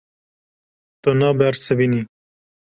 Tu nabersivînî.